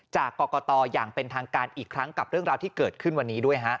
จากกรกตอย่างเป็นทางการอีกครั้งกับเรื่องราวที่เกิดขึ้นวันนี้ด้วยฮะ